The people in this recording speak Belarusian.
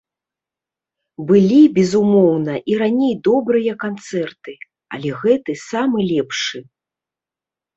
Былі, безумоўна, і раней добрыя канцэрты, але гэты самы лепшы.